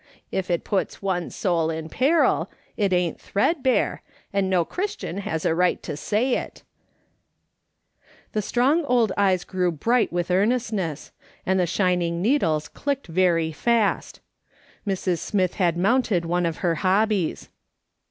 If it puts one soul in peril, it ain't threadbare, and no Christian has a right to say it !" The strong old eyes grew bright with earnestness, and the shining needles clicked veiy fast. Mrs. Smith had mounted one of her hobbies.